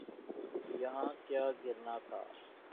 یہاں کیا گرنا تھا؟